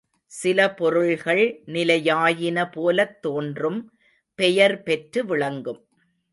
சில பொருள்கள் நிலையாயின போலத் தோன்றும் பெயர் பெற்று விளங்கும்.